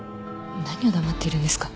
何黙っているんですか。